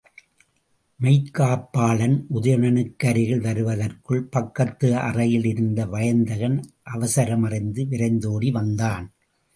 மெய்க்காப்பாளன், உதயணனுக்கு அருகில் வருவதற்குள் பக்கத்து அறையில் இருந்த வயந்தகன் அவசரமறிந்து விரைந்தோடி வந்தான்.